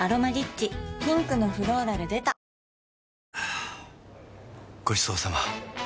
ピンクのフローラル出たはぁごちそうさま！